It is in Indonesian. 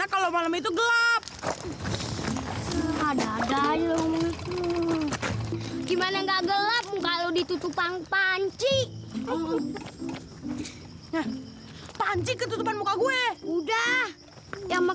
sampai jumpa di video selanjutnya